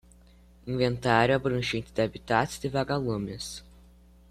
Inventário abrangente de habitats de vaga-lumes